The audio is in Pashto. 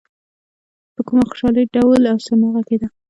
په کومه خوشالۍ ډول او سرنا غږېده.